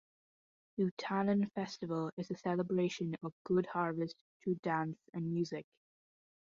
Utanon Festival is a celebration of good harvest through dance and music.